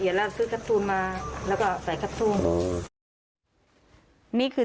เรียกแล้วซื้อกระทุนมาแล้วก็ใส่กระทุนอ๋อนี่คือ